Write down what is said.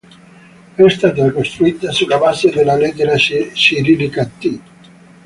È stata costruita sulla base della lettera cirillica Т.